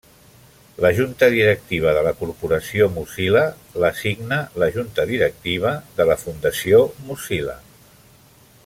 La junta directiva de la Corporació Mozilla l'assigna la junta directiva de la Fundació Mozilla.